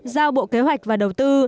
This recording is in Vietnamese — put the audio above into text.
giao bộ kế hoạch và đầu tư